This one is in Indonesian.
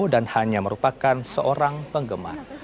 dan hanya merupakan seorang penggemar